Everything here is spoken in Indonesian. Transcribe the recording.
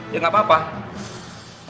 ya gak apa apa